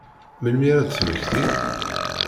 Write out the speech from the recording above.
Melmi ara ad temmekti?